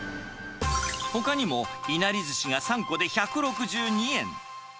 ほかにも、いなりずしが３個で１６２円。